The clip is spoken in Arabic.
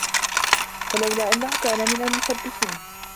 فَلَولا أَنَّهُ كانَ مِنَ المُسَبِّحينَ